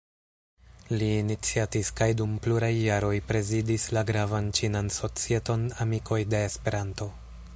Li iniciatis kaj dum pluraj jaroj prezidis la gravan ĉinan societon "Amikoj de Esperanto".